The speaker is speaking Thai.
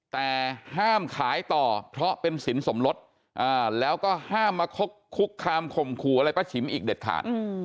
แต่ห้ามขายต่อเพราะเป็นสินสมรสแล้วก็ห้ามมาคุกคามข่มขู่อะไรป้าฉิมอีกเด็ดขาด